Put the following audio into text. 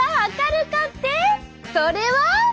それは。